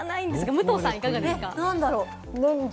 武藤さん、いかがですか？